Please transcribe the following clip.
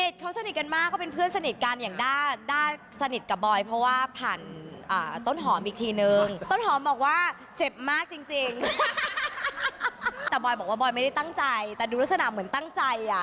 แต่บอยบอกว่าบอยไม่ได้ตั้งใจแต่ดูลักษณะเหมือนตั้งใจอ่ะ